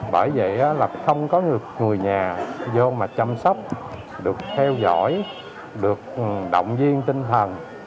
bởi vậy là không có được người nhà vô mà chăm sóc được theo dõi được động viên tinh thần